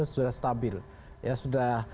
sudah stabil ya sudah